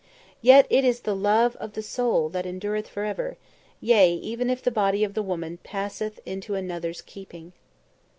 Yet is it the love of the soul that endureth forever, yea, even if the body of the woman passeth unto another's keeping."